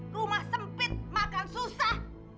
rumah sempit makan susah